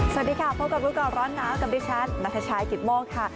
สวัสดีค่ะพบกับรู้ก่อนร้อนหนาวกับดิฉันนัทชายกิตโมกค่ะ